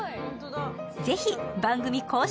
ぜひ、番組公式